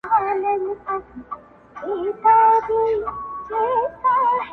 هلک چیغه کړه پر مځکه باندي پلن سو!